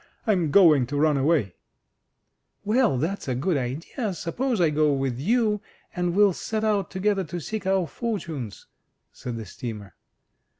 I'm going to run away !" "Well, that's a good idea; suppose I go with you, and we'll set out together to seek our fortunes!" said the steamer.